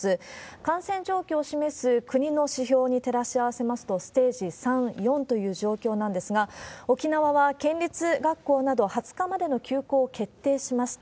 感染状況を示す国の指標に照らし合わせますと、ステージ３、４という状況なんですが、沖縄は県立学校など２０日までの休校を決定しました。